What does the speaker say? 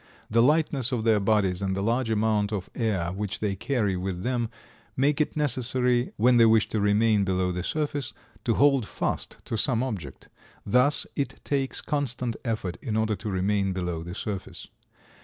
The lightness of their bodies and the large amount of air which they carry with them make it necessary when they wish to remain below the surface to hold fast to some object. Thus it takes constant effort in order to remain below the surface.